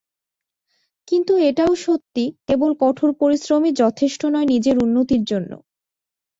কিন্তু এটাও সত্যি, কেবল কঠোর পরিশ্রমই যথেষ্ট নয় নিজের উন্নতির জন্য।